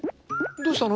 どうしたの？